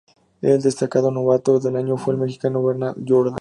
El destacado Novato del Año fue el mexicano Bernard Jourdain.